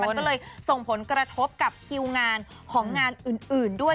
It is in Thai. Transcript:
มันก็เลยส่งผลกระทบกับคิวงานของงานอื่นด้วย